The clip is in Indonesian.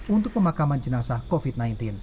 untuk pemakaman jenazah covid sembilan belas